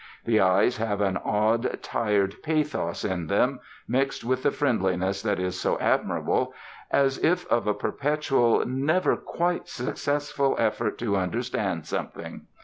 The eyes have an odd, tired pathos in them mixed with the friendliness that is so admirable as if of a perpetual never quite successful effort to understand something.